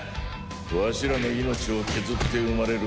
ワシらの命を削って生まれる